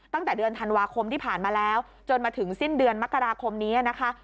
ตั้งแต่เดือนธันวาคมที่ผ่านมาแล้วจนมาถึงสิ้นเดือนมกราคมนี้นะคะ